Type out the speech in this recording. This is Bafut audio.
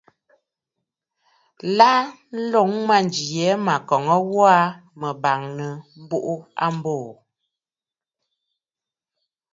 Lâ, ǹloŋ ajàŋ yìi mə mə̀ kɔ̀ŋə gho aa, mə bàŋnə̀ m̀buꞌu aa m̀bô.